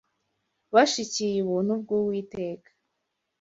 bashikiye ubuntu bw’Uwiteka